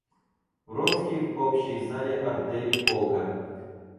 Вронский в общей зале артели полка.